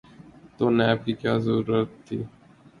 تو نیب کی کیا ضرورت تھی؟